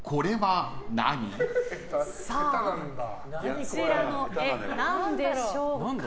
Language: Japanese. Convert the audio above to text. こちらの絵、何でしょうか。